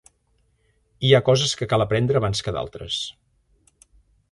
Hi ha coses que cal aprendre abans que d'altres.